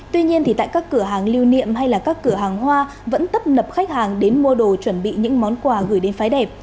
tuy nhiên thì tại các cửa hàng lưu niệm hay là các cửa hàng hoa vẫn tấp nập khách hàng đến mua đồ chuẩn bị những món quà gửi đến phái đẹp